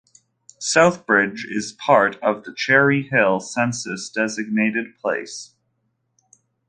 Southbridge is part of the Cherry Hill census-designated place.